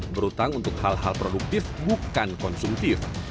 berhutang untuk hal hal produktif bukan konsumtif